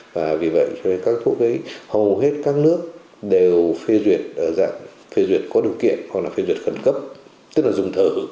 vì vậy cho nên các thuốc ấy hầu hết các nước đều phê duyệt ở dạng phê duyệt có điều kiện hoặc là phê duyệt khẩn cấp tức là dùng thử